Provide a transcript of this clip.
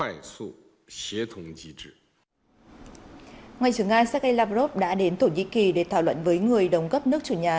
ngoại trưởng nga sergei lavrov đã đến tổng thống để thảo luận với người đồng cấp nước chủ nhà